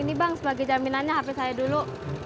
ini bang sebagai jaminannya hp saya dulu